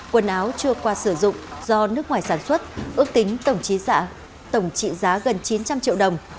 quần áo chưa qua sử dụng do nước ngoài sản xuất ước tính tổng trí tổng trị giá gần chín trăm linh triệu đồng